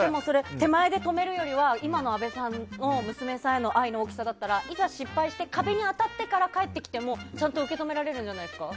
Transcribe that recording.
手前で止めるより今の阿部さんの娘さんへの愛の大きさだったらいざ失敗して壁に当たってから帰ってきてもちゃんと受け止められるんじゃないですか？